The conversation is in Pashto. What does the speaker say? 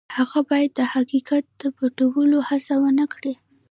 هغه باید د حقیقت د پټولو هڅه ونه کړي.